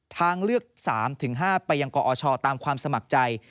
ทางเลือก๓๕ไปยังกอชตามความสมัครใจ